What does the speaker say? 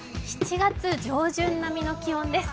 ７月上旬並みの気温です。